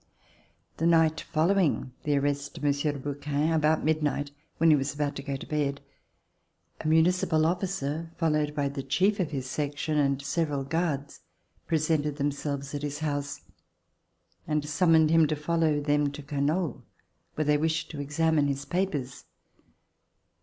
The night following the arrest of Monsieur de Brouquens, about midnight, when he was about to go to bed, a municipal oflficer, followed by the chief of his section and several guards, presented themselves at his house and summoned him to follow them to Canoles where they wished to examine his papers.